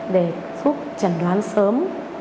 để giúp chẩn đoán sớm